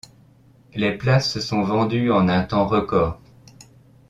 Les places se sont vendues en un temps record.